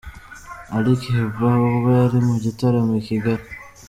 Ali Kiba ubwo yari mu gitaramo i Kigali.